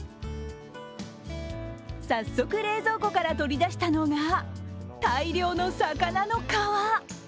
早速、冷蔵庫から取り出したのが大量の魚の皮。